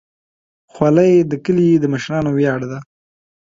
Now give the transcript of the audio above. خولۍ د کلي د مشرانو ویاړ ده.